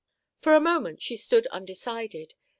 For a moment she stood undecided.